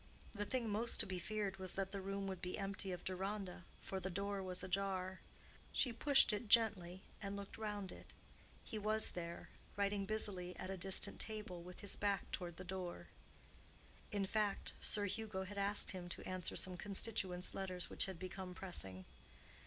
The thing most to be feared was that the room would be empty of Deronda, for the door was ajar. She pushed it gently, and looked round it. He was there, writing busily at a distant table, with his back toward the door (in fact, Sir Hugo had asked him to answer some constituents' letters which had become pressing).